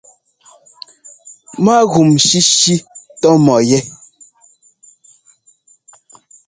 Mágúm shíshí tɔ́ mɔ yɛ́.